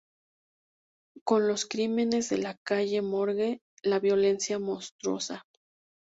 Con "Los crímenes de la calle Morgue", la violencia monstruosa.